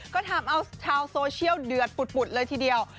ก็ทำเอาชาวโซเชียลเดือดปุดเลยทีเดียว